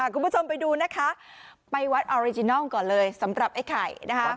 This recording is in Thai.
คุณผู้ชมไปดูนะคะไปวัดออริจินัลก่อนเลยสำหรับไอ้ไข่นะคะ